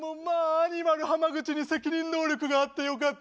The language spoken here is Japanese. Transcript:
アニマル浜口に責任能力があってよかった。